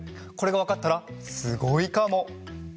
これがわかったらすごいかも！